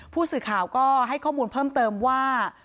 ผู้สื่อข่าวก็ให้ข้อมูลเพิ่มเติมว่า